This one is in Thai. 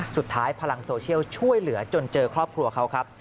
พลังโซเชียลช่วยเหลือจนเจอครอบครัวเขาครับ